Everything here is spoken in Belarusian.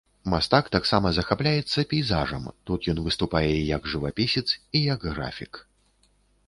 Мастак таксама захапляецца пейзажам, тут ён выступае і як жывапісец і як графік.